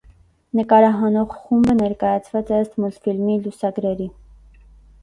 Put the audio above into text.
Նկարահանող խումբը ներկայացված է ըստ մուլտֆիլմի լուսագրերի։